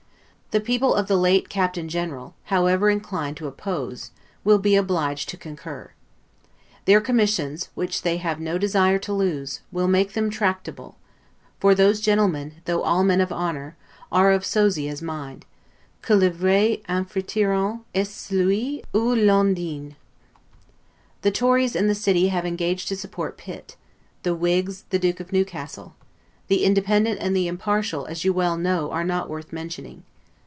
The people of the late Captain general, however inclined to oppose, will be obliged to concur. Their commissions, which they have no desire to lose, will make them tractable; for those gentlemen, though all men of honor, are of Sosia's mind, 'que le vrai Amphitrion est celui ou l'on dine'. The Tories and the city have engaged to support Pitt; the Whigs, the Duke of Newcastle; the independent and the impartial, as you well know, are not worth mentioning.